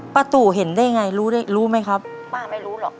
ตู่เห็นได้ไงรู้ได้รู้ไหมครับป้าไม่รู้หรอก